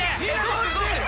どうする？